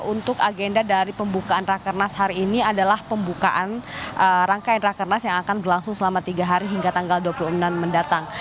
untuk agenda dari pembukaan rakernas hari ini adalah pembukaan rangkaian rakernas yang akan berlangsung selama tiga hari hingga tanggal dua puluh enam mendatang